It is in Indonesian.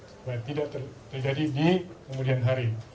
supaya tidak terjadi di kemudian hari